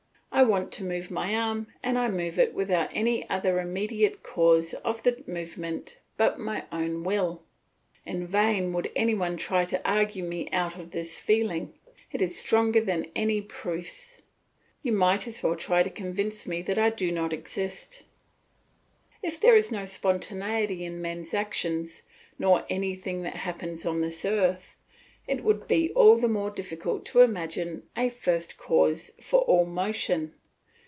I want to move my arm and I move it without any other immediate cause of the movement but my own will. In vain would any one try to argue me out of this feeling, it is stronger than any proofs; you might as well try to convince me that I do not exist. If there were no spontaneity in men's actions, nor in anything that happens on this earth, it would be all the more difficult to imagine a first cause for all motion.